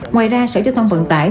ngoài ra sở giao thông vận tải